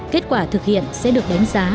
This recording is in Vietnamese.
kết quả thực hiện sẽ được đánh giá